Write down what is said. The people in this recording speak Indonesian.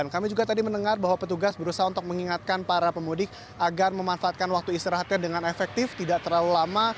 kami juga tadi mendengar bahwa petugas berusaha untuk mengingatkan para pemudik agar memanfaatkan waktu istirahatnya dengan efektif tidak terlalu lama